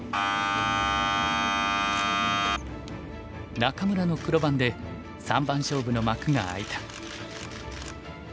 仲邑の黒番で三番勝負の幕が開いた。